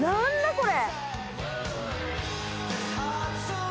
これ。